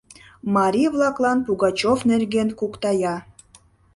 Марий-влаклан Пугачев нерген куктая.